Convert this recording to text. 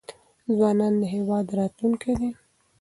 ځوانان د هیواد راتلونکی دی.